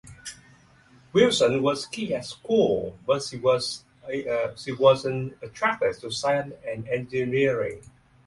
Wilson was keen at school but she was nt attracted to science and engineering.